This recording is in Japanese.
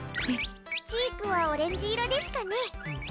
チークはオレンジ色ですかね。